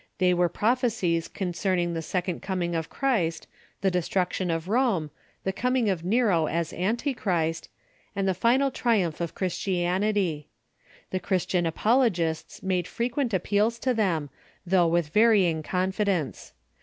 They were prophecies con Oracles '. cerning the second coming of Christ, the destruction of Rome, the coming of Nero as Antichrist, and the final triumph of Christianity. The Christian apologists made frequent ap peals to them, though with varying confidence.